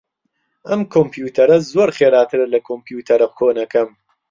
ئەم کۆمپیوتەرە زۆر خێراترە لە کۆمپیوتەرە کۆنەکەم.